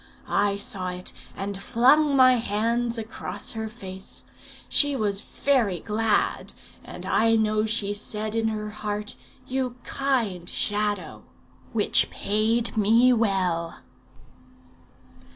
I saw it, and flung my hands across her face. She was very glad, and I know she said in her heart, 'You kind Shadow!' which paid me well.